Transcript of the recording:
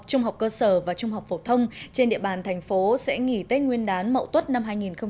trung học cơ sở và trung học phổ thông trên địa bàn thành phố sẽ nghỉ tết nguyên đán mậu tuất năm hai nghìn hai mươi